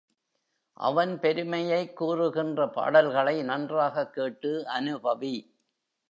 அவன் பெருமையைக் கூறுகின்ற பாடல்களை நன்றாகக் கேட்டு அநுபவி.